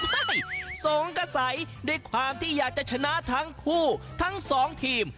สงสัยด้วยความที่อยากจะชนะทั้งคู่ทั้งสองทีม